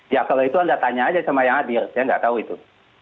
ya kalau itu anda tanya aja sama yang hadir saya nggak tahu itu